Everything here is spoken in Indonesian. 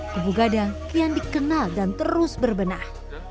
kubu gadang kian dikenal dan terus berbenah